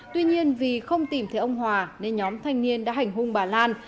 tuy nhiên vì không tìm thấy ông hòa nên nhóm thanh niên đã hành hung bà lan